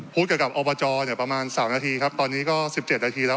พูดเกี่ยวกับเนี่ยประมาณสามนาทีครับตอนนี้ก็สิบเจ็ดนาทีแล้ว